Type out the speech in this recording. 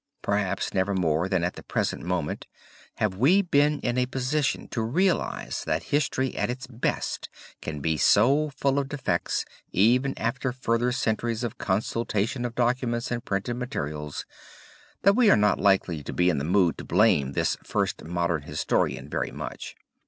Perhaps never more than at the present moment have we been in a position to realize that history at its best can be so full of defects even after further centuries of consultation of documents and printed materials, that we are not likely to be in the mood to blame this first modern historian very much.